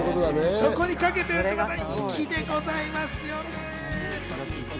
そこにかけているから粋でございますよね。